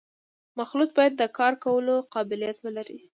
مخلوط باید د کار کولو قابلیت ولري